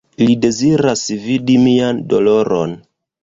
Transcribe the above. "Ili deziras vidi mian doloron."